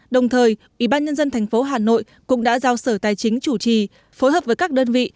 đồng thời ubnd tp hà nội cũng đã giao sở tài chính chủ trì phối hợp với các đơn vị